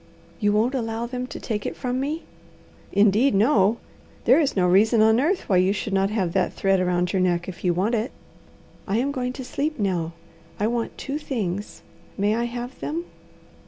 "You won't allow them to take it from me?" "Indeed no! There is no reason on earth why you should not have that thread around your neck if you want it." "I am going to sleep now. I want two things. May I have them?"